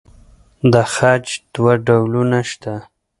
د خج دوه ډولونه شته.